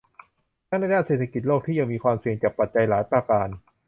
ทั้งในด้านเศรษฐกิจโลกที่ยังมีความเสี่ยงจากปัจจัยหลายประการ